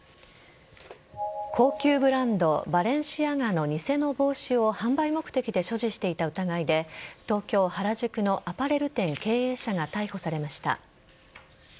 高級ブランド・バレンシアガの偽の帽子を販売目的で所持していた疑いで東京・原宿のアパレル店経営者が逮捕されました。